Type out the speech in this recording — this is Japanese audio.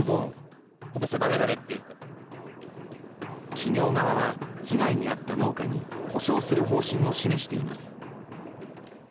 企業側は、被害に遭った農家に補償する方針を示しています。